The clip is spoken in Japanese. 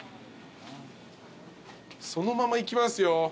そのまま行きますよ。